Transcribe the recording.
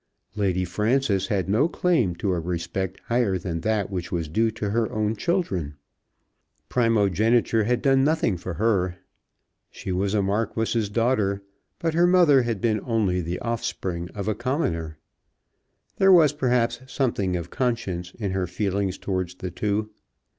Lady Frances had no claim to a respect higher than that which was due to her own children. Primogeniture had done nothing for her. She was a Marquis's daughter, but her mother had been only the offspring of a commoner. There was perhaps something of conscience in her feelings towards the two.